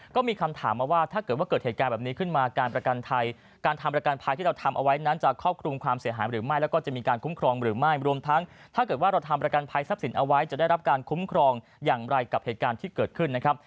ก็มีคำถามมาว่าถ้าเกิดว่าเกิดเหตุการณ์แบบนี้ขึ้นมาการประกันภัยการทำประกันภัยที่เราทำเอาไว้นั้นจะครอบคลุมความเสียหายหรือไม่แล้วก็จะมีการคุ้มครองหรือไม่รวมทั้งถ้าเกิดว่าเราทำประกันภัยทรัพย์สินเอาไว้จะได้รับการคุ้มครองอย่างไรกับเหตุการณ์ที่เกิดขึ้นนะครับ